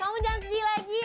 kamu jangan sedih lagi